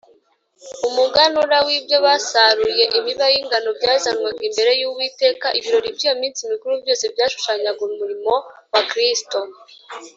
umuganura w’ibyo basaruye, imiba y’ingano, byazanwaga imbere y’Uwiteka. Ibirori by’iyo minsi mikuru byose byashushanyaga umurimo wa Kristo